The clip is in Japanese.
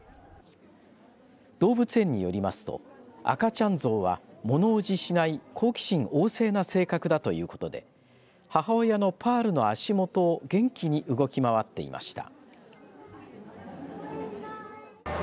動物園によりますと赤ちゃんゾウは物怖じしない好奇心旺盛な性格だということで母親のパールの足元を元気に動き回っていました。